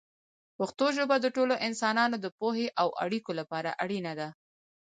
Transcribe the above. پښتو ژبه د ټولو انسانانو د پوهې او اړیکو لپاره اړینه ده.